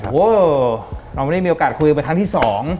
โอ้โหเราไม่ได้มีโอกาสคุยไปทั้งที่สอง